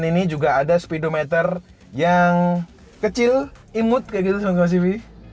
di depan ini juga ada speedometer yang kecil imut kayak gitu sobat tempat cv